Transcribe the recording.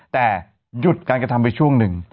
แต่หยุดการกระทำไปช่วงหนึ่ง